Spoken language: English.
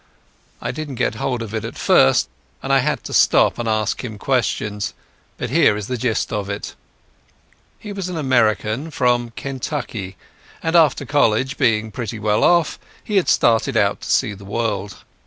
I didn't get hold of it at first, and I had to stop and ask him questions. But here is the gist of it: He was an American, from Kentucky, and after college, being pretty well off, he had started out to see the world.